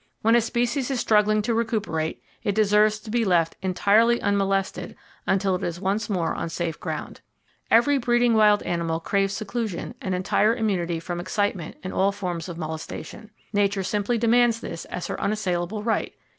When a species is struggling to recuperate, it deserves to be left entirely unmolested until it is once more on safe ground. Every breeding wild animal craves seclusion and entire immunity from excitement and all forms of molestation. Nature simply demands this as her unassailable right.